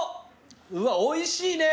うわおいしいね。